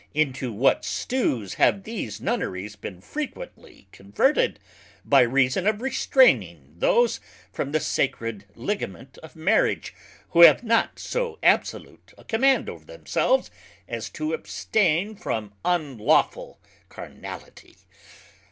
Into what Stews have these Nunneries been frequently converted, by reason of restraining those from the sacred Ligament of Marriage who have not so absolute a command over themselves as to abstain from unlawful carnality?